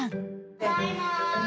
ただいま。